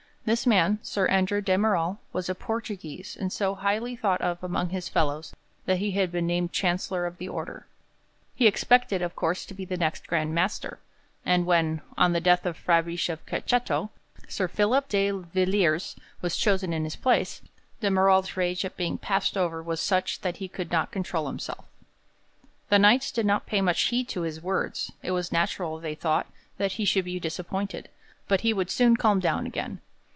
This man, Sir Andrew de Merall, was a Portuguese and so highly thought of among his fellows that he had been named Chancellor of the Order. He expected, however, to be the next Grand Master, and when, on the death of Fabrice of Cacetto, Sir Philip de Villiers was chosen in his place, de Merall's rage at being passed over was such that he could not control himself. The Knights did not pay much heed to his words; it was natural, they thought, that he should be disappointed, but he would soon calm down again.